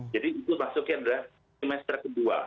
jadi itu maksudnya adalah semester ke dua